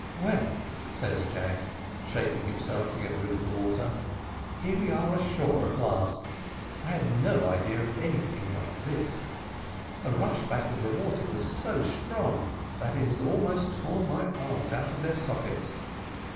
"Well," says Jack, shaking himself to get rid of the water, "here we are, ashore at last I had no idea of anything like this. The rush back of the water was so strong that it has almost torn my arms out of their sockets.